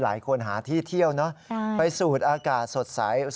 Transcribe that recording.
หลายคนหาที่เที่ยวเนอะไปสูดอากาศสดใส